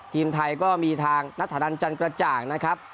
ทีมไทยก็มีทางนัทธารันจันกระจ่างนะครับ